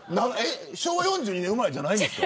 昭和４２年生まれじゃないんですか。